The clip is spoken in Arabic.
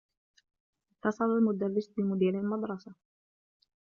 اتّصل المدرّس بمدير المدرسة.